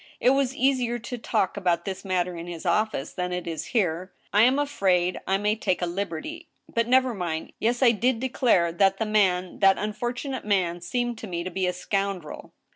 It was easier to talk about this matter in his office, ... than it is here. I am afraid I may take a liberty, ... but never mind. ... Yes, I did declare that the man, that un fortunate man, seemed to me to be a scoundrel